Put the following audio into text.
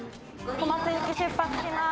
小松行き出発します。